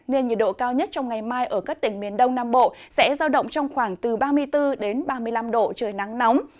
nên nhiệt độ cao nhất trong ngày mai ở các tỉnh miền đông nam bộ sẽ giao động trong khoảng từ ba mươi bốn ba mươi năm độ trời nắng nóng